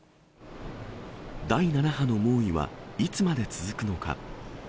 第７波の猛威はいつまで続くのか。